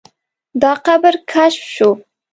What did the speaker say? دا قبر کشف شو.